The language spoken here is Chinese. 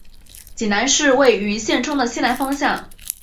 济宁市位于兖州的西南方向。